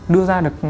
đưa ra được